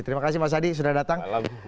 terima kasih mas adi sudah datang